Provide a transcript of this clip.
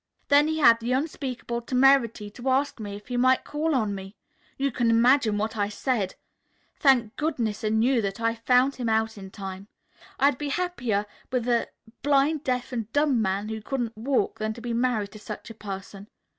"Then he had the unspeakable temerity to ask me if he might call on me. You can imagine what I said. Thank goodness and you that I found him out in time. I would be happier with a blind, deaf and dumb man who couldn't walk than to be married to such a person.